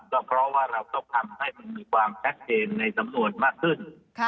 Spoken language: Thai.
ก็เพราะว่าเราต้องทำให้มันมีความชัดเจนในสำนวนมากขึ้น